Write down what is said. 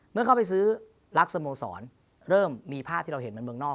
เมื่อเข้าไปซื้อรักสโมสรเริ่มมีภาพที่เราเห็นเหมือนเมืองนอก